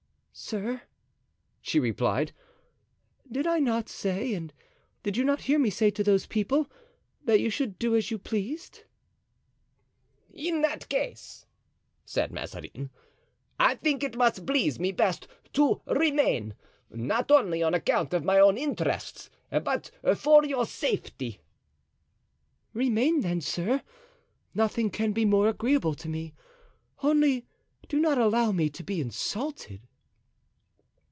"Sir," she replied, "did I not say, and did you not hear me say to those people, that you should do as you pleased?" "In that case," said Mazarin, "I think it must please me best to remain; not only on account of my own interest, but for your safety." "Remain, then, sir; nothing can be more agreeable to me; only do not allow me to be insulted."